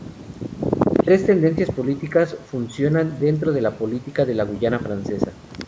Tres tendencias políticas funcionan dentro de la política de la Guayana Francesa.